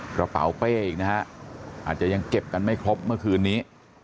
กระเป๋าเป้อีกนะฮะอาจจะยังเก็บกันไม่ครบเมื่อคืนนี้